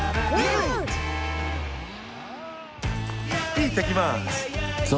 行ってきます。